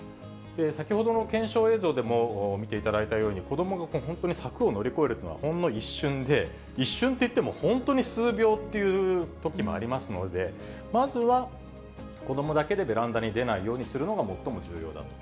先ほどの検証映像でも見ていただいたように、子どもが本当に柵を乗り越えるというのは、ほんの一瞬で、一瞬って言っても、本当に数秒っていうときもありますので、まずは、子どもだけでベランダに出ないようにするのが最も重要だと。